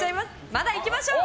まだいきましょう。